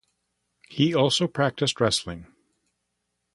He also practiced wrestling.